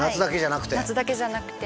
夏だけじゃなくて？